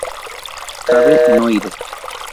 Cave Noire